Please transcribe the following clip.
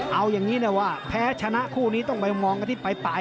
เอาอย่างนี้นะว่าแพ้ชนะคู่นี้ต้องไปมองกันที่ปลาย